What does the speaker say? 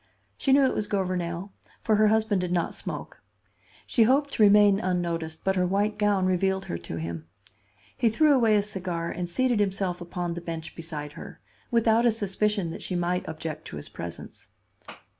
She knew it was Gouvernail, for her husband did not smoke. She hoped to remain unnoticed, but her white gown revealed her to him. He threw away his cigar and seated himself upon the bench beside her; without a suspicion that she might object to his presence.